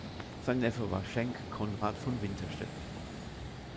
Sein Neffe war Schenk Konrad von Winterstetten.